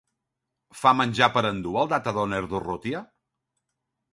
Fa menjar per endur el Data Döner d'Urrutia?